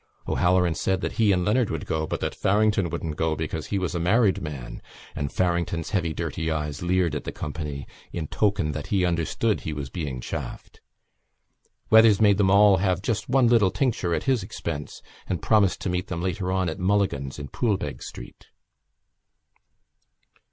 O'Halloran said that he and Leonard would go, but that Farrington wouldn't go because he was a married man; and Farrington's heavy dirty eyes leered at the company in token that he understood he was being chaffed. Weathers made them all have just one little tincture at his expense and promised to meet them later on at Mulligan's in Poolbeg Street.